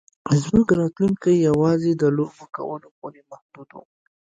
زموږ راتلونکی یوازې د لوبو کولو پورې محدود و